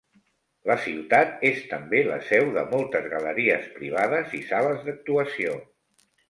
La ciutat és també la seu de moltes galeries privades i sales d'actuació.